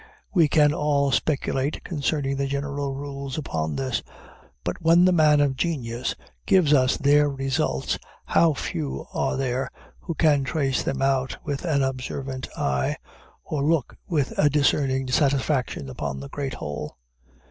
We can all speculate concerning the general rules upon this; but when the man of genius gives us their results, how few are there who can trace them out with an observant eye, or look with a discerning satisfaction upon the great whole.